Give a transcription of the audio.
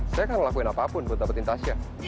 saya akan ngelakuin apapun buat dapetin tasya